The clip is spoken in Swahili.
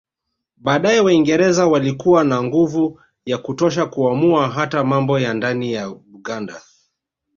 Baadae Waingereza walikuwa na nguvu ya kutosha kuamua hata mambo ya ndani ya Buganda